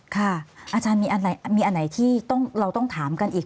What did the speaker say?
อาจารย์มีอันไหนที่เราต้องถามกันอีก